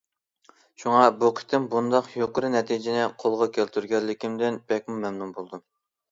شۇڭا بۇ قېتىم بۇنداق يۇقىرى نەتىجىنى قولغا كەلتۈرگەنلىكىمدىن بەكمۇ مەمنۇن بولدۇم.